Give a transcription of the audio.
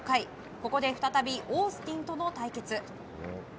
ここで再びオースティンとの対決。